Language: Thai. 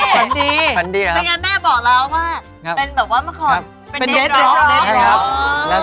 ถ้าบริจาคได้เหมือนไอ้เนี่ยหมูป่อยหมูหย่องที่เขาเอามาเกลียว